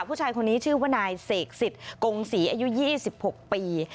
ผู้ชายคนนี้ชื่อว่านายเสกสิทธิ์กงศรีอายุ๒๖ปี